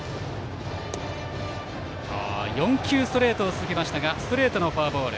４球ストレートを続けましたがストレートのフォアボール。